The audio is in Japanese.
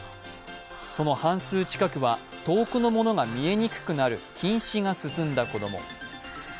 その半数近くは、遠くのものが見えにくくなる近視が進んだ子供。